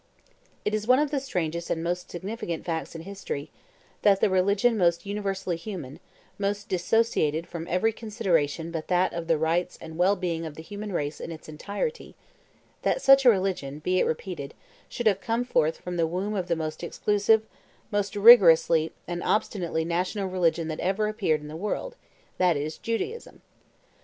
It is one of the strangest and most significant facts in history, that the religion most universally human, most dissociated from every consideration but that of the rights and well being of the human race in its entirety that such a religion, be it repeated, should have come forth from the womb of the most exclusive, most rigorously and obstinately national religion that ever appeared in the world, that is, Judaism.